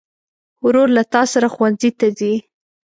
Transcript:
ورور له تا سره ښوونځي ته ځي.